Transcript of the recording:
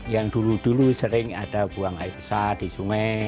yang dulu dulu sering ada buang air besar di sungai